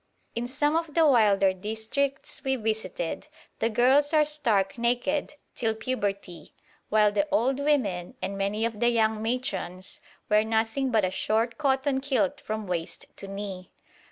In some of the wilder districts we visited the girls are stark naked till puberty, while the old women and many of the young matrons wear nothing but a short cotton kilt from waist to knee.